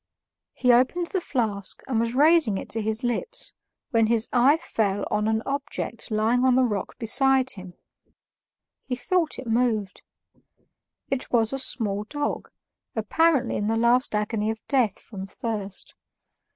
He opened the flask and was raising it to his lips, when his eye fell on an object lying on the rock beside him; he thought it moved. It was a small dog, apparently in the last agony of death from thirst.